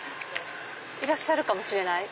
いらっしゃるかもしれない？